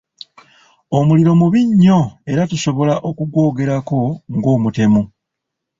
Omuliro mubi nnyo era tusobola okugwogerako ng'omutemu.